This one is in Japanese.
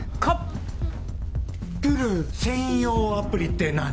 プル専用アプリって何？